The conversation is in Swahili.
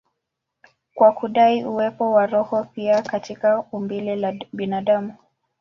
kwa kudai uwepo wa roho pia katika umbile la binadamu.